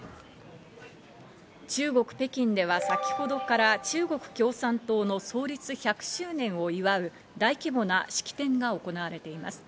中国・北京では先ほどから中国共産党の創立１００周年を祝う大規模な式典が行われています。